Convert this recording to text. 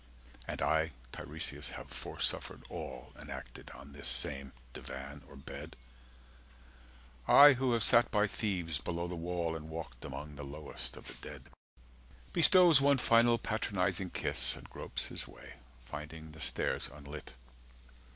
(And I Tiresias have foresuffered all Enacted on this same divan or bed; I who have sat by Thebes below the wall And walked among the lowest of the dead.) Bestows one final patronising kiss, And gropes his way, finding the stairs unlit